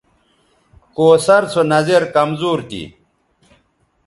کوثر سو نظِر کمزور تھی